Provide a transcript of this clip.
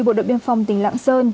bộ đội biên phòng tỉnh lạng sơn